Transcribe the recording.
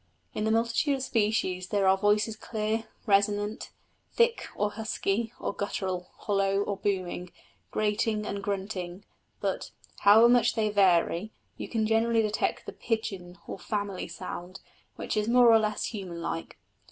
In the multitude of species there are voices clear, resonant, thick, or husky, or guttural, hollow or booming, grating and grunting; but, however much they vary, you can generally detect the pigeon or family sound, which is more or less human like.